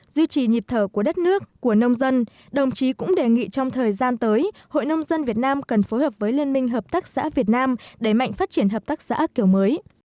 duy trì nhịp thở của đất nước của nông dân đồng chí cũng đề nghị trong thời gian tới hội nông dân việt nam cần phối hợp với liên minh hợp tác xã việt nam đẩy mạnh phát triển hợp tác xã kiểu mới